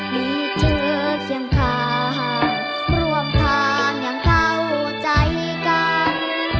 มีเธอเคียงทางร่วมทางอย่างเข้าใจกัน